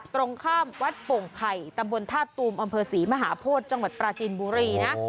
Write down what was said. ตรงข้ามวัดปงไพรตำบลธาตุตุมอศรีมหาพศจังหวัดปราจีนบุรีนะ